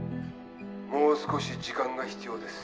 もう少し時間が必要です。